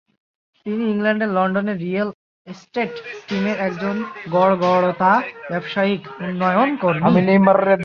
তিনি ইংল্যান্ডের লন্ডনে রিয়েল এস্টেট টিমের একজন গড়পড়তা ব্যবসায়িক উন্নয়ন কর্মী।